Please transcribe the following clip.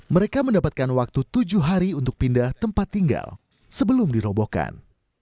mereka mendapatkan waktu tujuh hari untuk pindah tempat tinggal sebelum dirobohkan